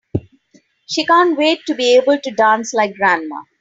She can't wait to be able to dance like grandma!